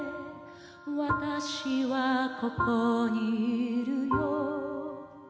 「私はここにいるよ」